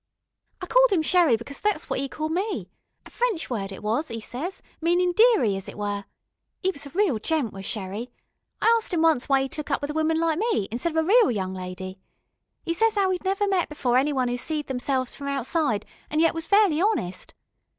"I called 'im Sherrie because thet's what 'e called me. A French word it was, 'e ses, meaning 'dearie,' as it were. 'E was a reel gent, was Sherrie. I as't 'im once why 'e took up with a woman like me, instead of with a reel young lady. 'E ses as 'ow 'e'd never met before anybody 'oo seed themselves from outside an' yet was fairly honest.